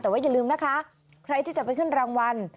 แต่ว่าอย่าลืมนะคะใครที่จะไปขึ้นรางวัล